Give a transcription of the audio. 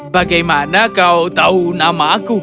bagaimana kau tahu nama aku